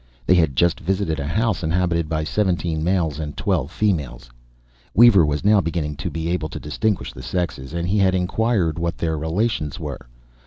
They had just visited a house inhabited by seventeen males and twelve females Weaver was now beginning to be able to distinguish the sexes and he had inquired what their relations were.